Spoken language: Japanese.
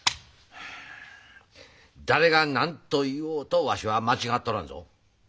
誰が何と言おうとわしは間違っておらんぞ。